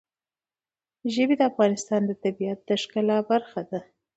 ژبې د افغانستان د طبیعت د ښکلا برخه ده.